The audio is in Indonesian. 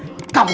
lengkap ini kum